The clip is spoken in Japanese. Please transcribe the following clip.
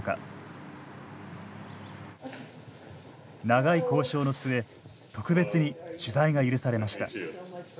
長い交渉の末特別に取材が許されました。